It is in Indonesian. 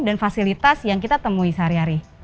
dan fasilitas yang kita temui sehari hari